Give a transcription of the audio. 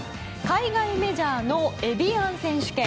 海外メジャーのエビアン選手権。